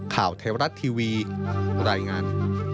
ข่าวไทยรัฐทีวีรายงาน